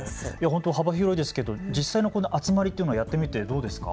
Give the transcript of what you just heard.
本当に幅広いですけど実際のこの集まりっていうのはやってみてどうですか。